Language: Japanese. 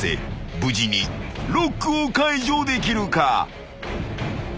無事にロックを解除できるか？］